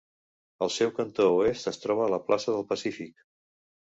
Al seu cantó oest es troba la placa del Pacífic.